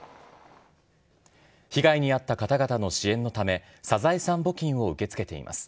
被害に遭った方々の支援のため、サザエさん募金を受け付けています。